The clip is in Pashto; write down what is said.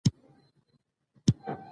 د لرګیو صنعت ډیر پخوانی دی.